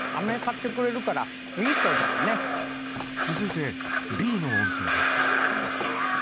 続いてＢの音声です。